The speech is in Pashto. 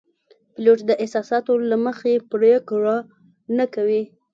پیلوټ د احساساتو له مخې پرېکړه نه کوي.